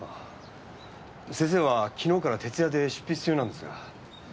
先生は昨日から徹夜で執筆中なんですが。